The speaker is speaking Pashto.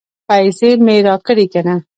پیسې مې راکړې که نه؟